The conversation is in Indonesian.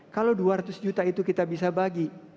kalau dua ratus juta itu kita bisa bagi